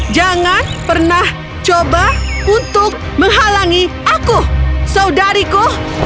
jangan pernah coba untuk menghalangi aku saudariku